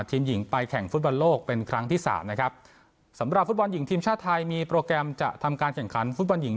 ทีมหญิงไปแข่งฟุตบอลโลกเป็นครั้งที่สามนะครับสำหรับฟุตบอลหญิงทีมชาติไทยมีโปรแกรมจะทำการแข่งขันฟุตบอลหญิง